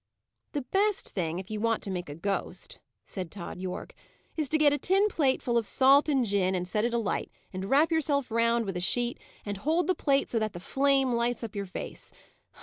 "The best thing, if you want to make a ghost," said Tod Yorke, "is to get a tin plate full of salt and gin, and set it alight, and wrap yourself round with a sheet, and hold the plate so that the flame lights up your face.